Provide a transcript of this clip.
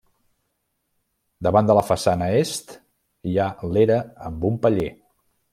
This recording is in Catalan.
Davant de la façana est hi ha l'era amb un paller.